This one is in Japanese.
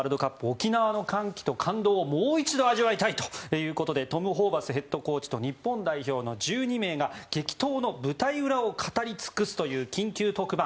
沖縄の歓喜と感動をもう一度味わいたいということでトム・ホーバスヘッドコーチと日本代表の１２名が激闘の舞台裏を語り尽くすという緊急特番